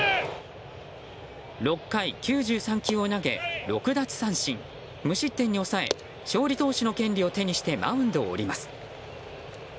６回９３球を投げ、６奪三振無失点に抑え勝利投手の権利を手にしてマウンドを降ります。